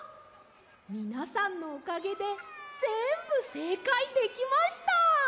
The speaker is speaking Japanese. みなさんのおかげでぜんぶせいかいできました！